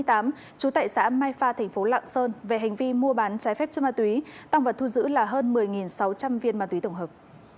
trú tại xã mai pha thành phố lạng sơn về hành vi mua bán trái phép chất ma túy tăng vật thu giữ là hơn một mươi sáu trăm linh viên ma túy tổng hợp